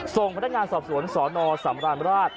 ส่งพนักงานสอบสวนสนสำราญราช